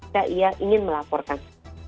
jika ia ingin melaporkan